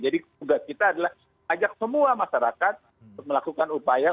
jadi kita ajak semua masyarakat untuk melakukan upaya